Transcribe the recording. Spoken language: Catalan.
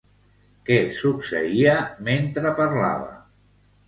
Què succeïa mentre parlava?